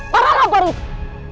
para kabur itu